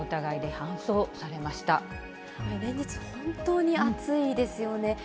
これ、連日、本当に暑いですよね。